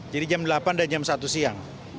jadi jam delapan dan jam satu siang